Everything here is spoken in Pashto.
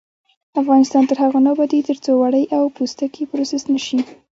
افغانستان تر هغو نه ابادیږي، ترڅو وړۍ او پوستکي پروسس نشي.